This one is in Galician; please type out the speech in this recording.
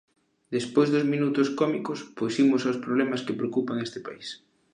Despois dos minutos cómicos, pois imos aos problemas que preocupan a este país.